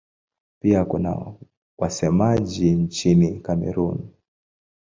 Pia kuna wasemaji nchini Kamerun.